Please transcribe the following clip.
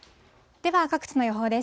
では各地の予報です。